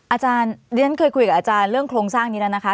อาจารย์เรียนเคยคุยกับอาจารย์เรื่องโครงสร้างนี้แล้วนะคะ